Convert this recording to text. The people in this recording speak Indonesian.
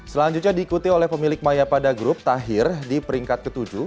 selanjutnya diikuti oleh pemilik mayapada group tahir di peringkat ke tujuh